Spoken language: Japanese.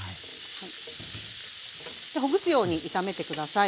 ほぐすように炒めて下さい。